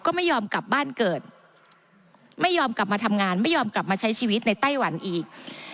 ก็ไม่ยอมกลับบ้านเกิดไม่ยอมกลับมาทำงานไม่ยอมกลับมาใช้ชีวิตในไต้หวันอีก